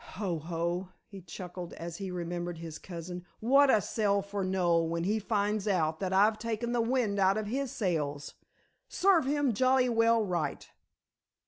Ho! ho!" he chuckled as he remembered his cousin. "What a sell for Noel when he finds that I've taken the wind out of his sails. Serve him jolly well right."